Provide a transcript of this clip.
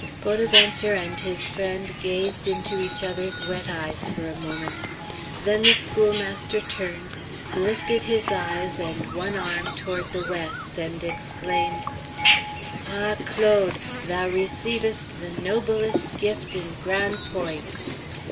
Bonaventure and his friend gazed into each other's wet eyes for a moment. Then the schoolmaster turned, lifted his eyes and one arm toward the west, and exclaimed: "Ah, Claude! thou receivest the noblest gift in Gran' Point'!"